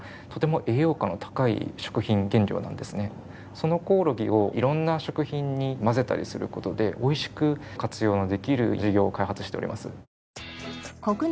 そのコオロギを色んな食品に混ぜたりする事でおいしく活用のできる事業を開発しております。